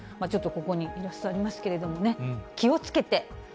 ちょっとここにイラストありますけれどもね、気をつけて！